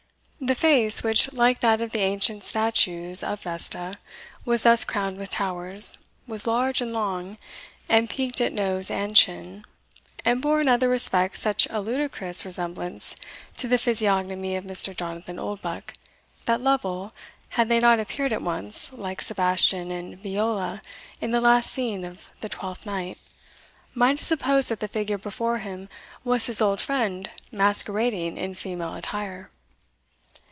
The face, which, like that of the ancient statues of Vesta, was thus crowned with towers, was large and long, and peaked at nose and chin, and bore, in other respects, such a ludicrous resemblance to the physiognomy of Mr. Jonathan Oldbuck, that Lovel, had they not appeared at once, like Sebastian and Viola in the last scene of the "Twelfth Night," might have supposed that the figure before him was his old friend masquerading in female attire.